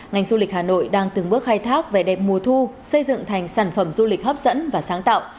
ngành du lịch hà nội đang từng bước khai thác về đẹp mùa thu xây dựng thành sản phẩm du lịch hấp dẫn và sáng tạo